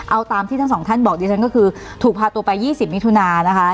เอาตามที่ทั้งสองท่านบอกดิฉันก็คือถูกพาตัวไป๒๐มิถุนานะคะ